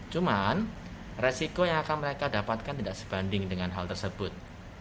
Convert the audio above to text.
cuman resiko yang akan mereka dapatkan tidak sebanding dengan hal tersebut